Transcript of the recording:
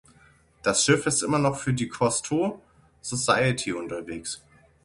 Das Schiff ist immer noch für die Cousteau Society unterwegs.